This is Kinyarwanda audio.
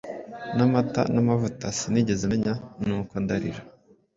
Namata namavuta sinigeze menya, nuko ndarira